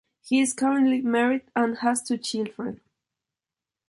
He is currently married and has two children.